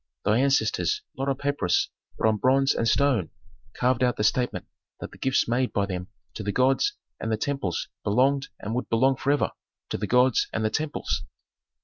Thy ancestors, not on papyrus, but on bronze and stone carved out the statement that the gifts made by them to the gods and the temples belonged and would belong forever to the gods and the temples."